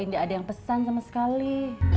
tidak ada yang pesan sama sekali